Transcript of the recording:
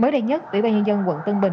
mới đây nhất tỷ ba nhân dân quận tân bình